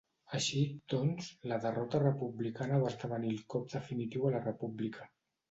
Així, doncs, la derrota republicana va esdevenir el cop definitiu a la República.